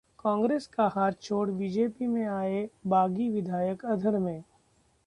कांग्रेस का 'हाथ' छोड़ बीजेपी में आए बागी विधायक अधर में